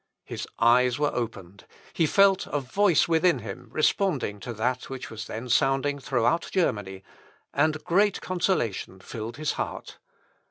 His eyes were opened, he felt a voice within him responding to that which was then sounding throughout Germany, and great consolation filled his heart.